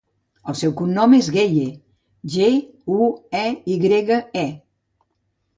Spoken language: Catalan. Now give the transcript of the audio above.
El seu cognom és Gueye: ge, u, e, i grega, e.